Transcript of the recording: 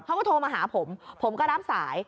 เขาก็โทรมาหาผมผมก็รับสาย